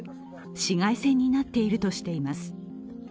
市街戦になっているとしています。